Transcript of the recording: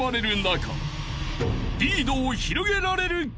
［リードを広げられるか？］